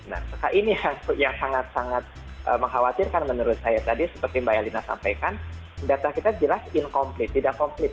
nah ini yang sangat sangat mengkhawatirkan menurut saya tadi seperti mbak elina sampaikan data kita jelas incomplite tidak komplit